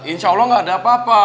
insya allah gak ada apa apa